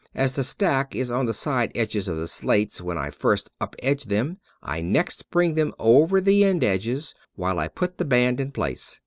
As the stack is on the side edges of the slates when I first up edge them, I next bring them upon the end edges, while I put the band in place.